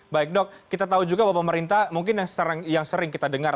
baik dok kita tahu juga bahwa pemerintah mungkin yang sering kita dengar